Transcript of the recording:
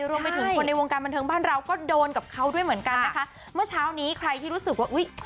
รวมไปถึงคนในวงการบันเทิงบ้านเราก็โดนกับเขาด้วยเหมือนกันนะคะเมื่อเช้านี้ใครที่รู้สึกว่าอุ้ย